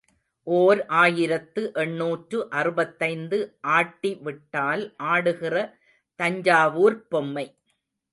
ஓர் ஆயிரத்து எண்ணூற்று அறுபத்தைந்து ஆட்டி விட்டால் ஆடுகிற தஞ்சாவூர்ப் பொம்மை.